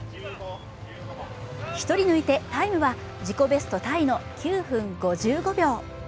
１人抜いてタイムは自己ベストタイの９分５５秒。